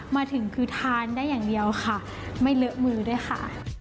มาถึงคือทานได้อย่างเดียวค่ะไม่เลอะมือด้วยค่ะ